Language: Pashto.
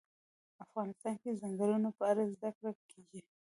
افغانستان کې د ځنګلونه په اړه زده کړه کېږي.